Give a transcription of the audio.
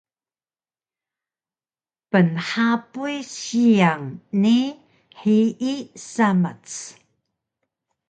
pnhapuy siyang ni hiyi samac